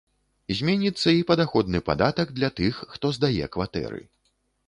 Зменіцца і падаходны падатак для тых, хто здае кватэры.